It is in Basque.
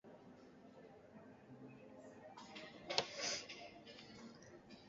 Espartako hiritarrak gudarako prestatzeko hartzen zuten denbora osoa.